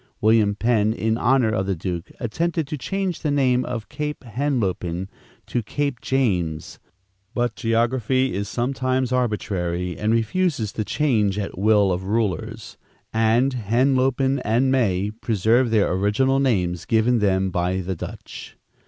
William Penn, in honor of the duke, attempted to change the name of Cape Henlopen to Cape James; but geography is sometimes arbitrary and refuses to change at will of rulers, and Henlopen and May preserve their original names given them by the Dutch.